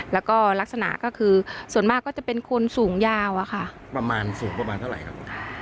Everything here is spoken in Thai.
แล้วก็ลักษณะก็คือส่วนมากก็จะเป็นคนสูงยาวอะค่ะประมาณสูงประมาณเท่าไหร่ครับ